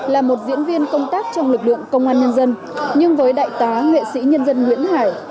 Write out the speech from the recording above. là một diễn viên công tác trong lực lượng công an nhân dân nhưng với đại tá nghệ sĩ nhân dân nguyễn hải